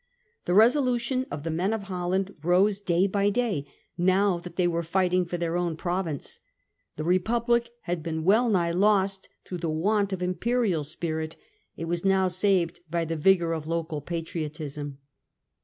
The resolution of the men of Holland rose day by day, 208 Invasion of the United Provinces . 167a now that they were fighting for their own province. The Republic had been well nigh los£ through the want of imperial spirit ; it was now saved by the vigour of local patriotism.